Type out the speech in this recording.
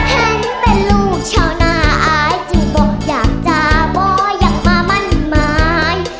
เห็นเป็นลูกชาวนาอายจึงบอกอยากจะบ่อยากมามั่นหมาย